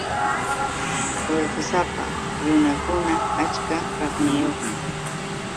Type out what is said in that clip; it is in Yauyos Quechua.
Qullqisapa runakuna achka kaqniyuqmi.